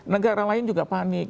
negara lain juga panik